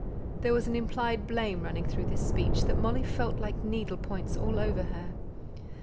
There was an implied blame running through this speech, that Molly felt like needle points all over her.